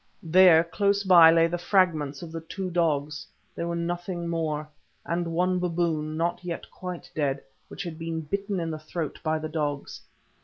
There, close by, lay the fragments of the two dogs—they were nothing more—and one baboon, not yet quite dead, which had been bitten in the throat by the dogs.